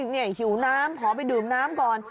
หิวน้ำขอไปดื่มน้ำก่อน